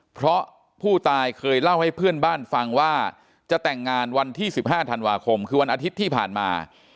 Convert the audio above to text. เพราะผู้ตายเคยเล่าให้เพื่อนบ้านฟังว่าจะแต่งงานวันที่๑๕ธันวาคมคือวันอาทิตย์ที่ผ่านมา